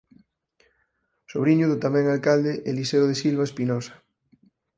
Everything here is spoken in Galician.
Sobriño do tamén alcalde Eliseo de Silva Espinosa.